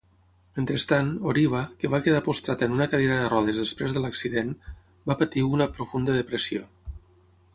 Mentrestant, Horiba, que va quedar postrat en una cadira de rodes després de l"accident, va patir una profunda depressió.